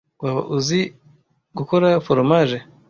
Waba uzi gukora foromaje?